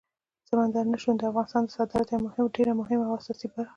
سمندر نه شتون د افغانستان د صادراتو یوه ډېره مهمه او اساسي برخه ده.